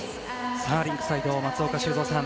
さあ、リンクサイドの松岡修造さん